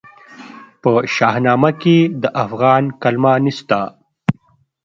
په شاهنامه کې د افغان کلمه نسته.